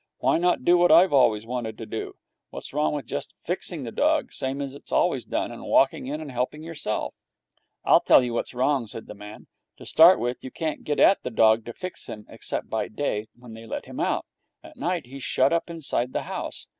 Why not do what I've always wanted to do? What's wrong with just fixing the dog, same as it's always done, and walking in and helping yourself?' 'I'll tell you what's wrong,' said the man. 'To start with, you can't get at the dog to fix him except by day, when they let him out. At night he's shut up inside the house.